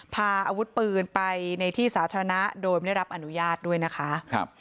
พาอาวุธปืนไปในที่สาธารณะโดยไม่ได้รับอนุญาตด้วยนะคะ